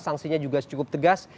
saksinya juga cukup tegas